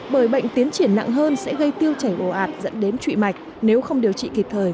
bởi bệnh tiến triển nặng hơn sẽ gây tiêu chảy bồ ạt dẫn đến trụi mạch nếu không điều trị kịp thời